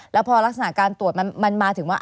แล้วพอลักษณะการตรวจมันมาถึงว่า